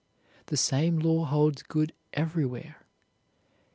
The same law holds good everywhere.